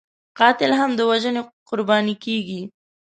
قاتل هم د وژنې قرباني کېږي